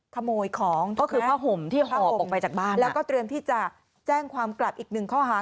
ขโมยของทุกอย่างข้าวอมแล้วก็เตรียมที่จะแจ้งความกลับอีกหนึ่งข้อฮะ